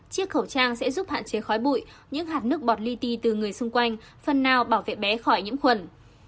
chiếc khẩu trang sẽ giúp hạn chế khói bụi những hạt nước bọt lyti từ người xung quanh phần nào bảo vệ bé khỏi nhiễm khuẩn